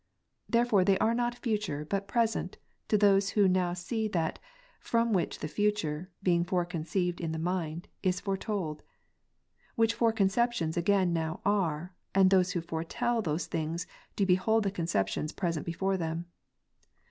Therefore they are not future but present to those who now see that, from which the future, being fore conceived in the mind, is foretold. Which fore conceptions again now are ; and those who foretel those things, do behold the conceptions present before them.